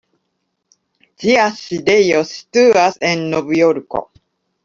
Ĝia sidejo situas en Novjorko.